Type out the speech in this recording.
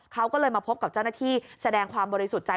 เขาก็เลยมาพบกับเจ้าหน้าที่แสดงความบริสุทธิ์ใจ